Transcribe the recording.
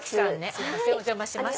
すいませんお邪魔します。